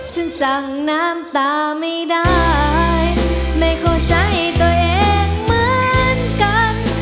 สั่งน้ำตาไม่ได้ไม่เข้าใจตัวเองเหมือนกัน